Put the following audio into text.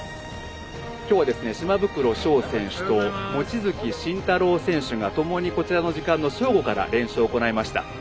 今日は島袋将選手と望月慎太郎選手が共にこちらの時間の正午から練習を行いました。